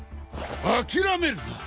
諦めるな！